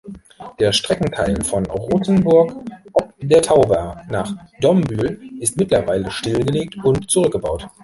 Der Streckenteil von Rothenburg ob der Tauber nach Dombühl ist mittlerweile stillgelegt und zurückgebaut.